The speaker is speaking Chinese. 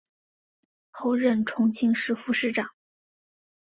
后任重庆市副市长。